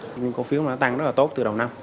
nhóm cụ phiếu đã tăng rất là tốt từ đầu năm